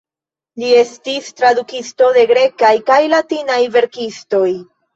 Li estis tradukisto el grekaj kaj latinaj verkistoj.